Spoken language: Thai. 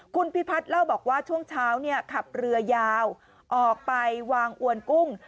คุณพิพัฒน์เล่าบอกว่าช่วงเช้าขับเรือยาวออกไปวางอวนกุ้ง